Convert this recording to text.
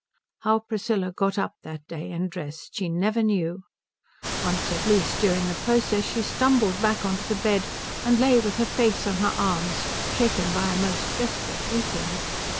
How Priscilla got up that day and dressed she never knew. Once at least during the process she stumbled back on to the bed and lay with her face on her arms, shaken by a most desperate weeping.